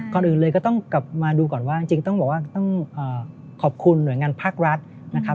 ก่อนอื่นเลยก็ต้องกลับมาดูก่อนว่าจริงต้องบอกว่าต้องขอบคุณหน่วยงานภาครัฐนะครับ